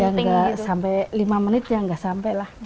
ya enggak sampai lima menit ya enggak sampai lah